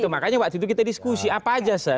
makanya waktu itu kita diskusi apa aja